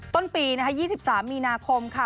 ต้นปีนะคะ๒๓มีนาคมค่ะ